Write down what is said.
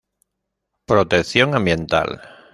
Protección Ambiental.